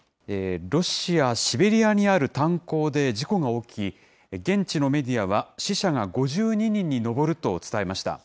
ロシア・シベリアにある炭坑で事故が起き、現地のメディアは死者が５２人に上ると伝えました。